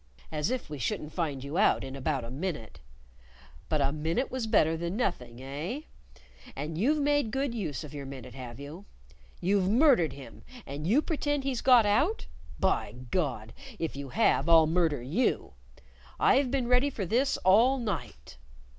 As if we shouldn't find you out in about a minute! But a minute was better than nothing, eh? And you've made good use of your minute, have you. You've murdered him, and you pretend he's got out? By God, if you have, I'll murder you! I've been ready for this all night!"